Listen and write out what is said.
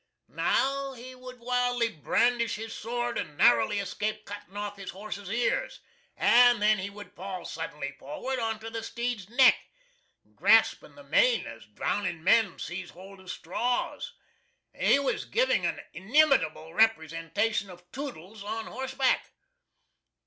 Now he would wildly brandish his sword and narrowly escape cutting off his horse's ears, and then he would fall suddenly forward on to the steed's neck, grasping the mane as drowning men seize hold of straws. He was giving an inimitable representation of Toodles on horseback.